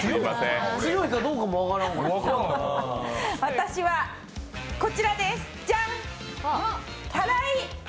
私はこちらです、たらい！